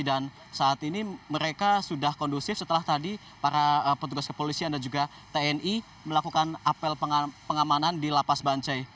dan saat ini mereka sudah kondusif setelah tadi para petugas kepolisi dan juga tni melakukan apel pengamanan di lapas bancai